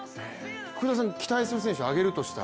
福田さんが期待する選手を挙げるとしたら？